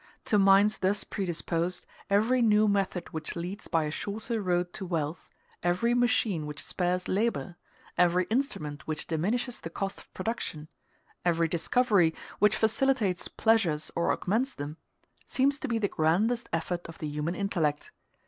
To minds thus predisposed, every new method which leads by a shorter road to wealth, every machine which spares labor, every instrument which diminishes the cost of production, every discovery which facilitates pleasures or augments them, seems to be the grandest effort of the human intellect.